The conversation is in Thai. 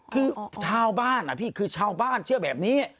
คือชาวบ้านอ่ะพี่คือชาวบ้านเชื่อแบบนี้